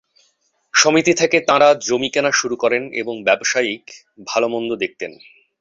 সমিতি থেকে তাঁরা জমি কেনা শুরু করেন এবং ব্যবসায়িক ভালো-মন্দ দেখতেন।